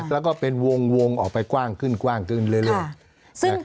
แล้วก็เป็นวงออกไปกว้างขึ้นเลยเลย